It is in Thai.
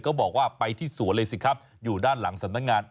บอกว่าไปที่สวนเลยสิครับอยู่ด้านหลังสำนักงาน